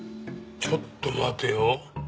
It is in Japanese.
ちょっと待てよ。